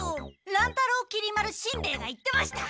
乱太郎きり丸しんべヱが言ってました。